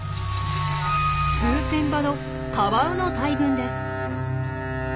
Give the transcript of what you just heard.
数千羽のカワウの大群です。